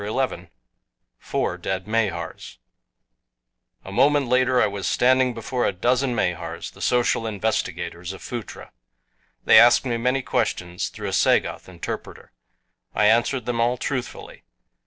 XI FOUR DEAD MAHARS A MOMENT LATER I WAS STANDING BEFORE A DOZEN Mahars the social investigators of Phutra. They asked me many questions, through a Sagoth interpreter. I answered them all truthfully.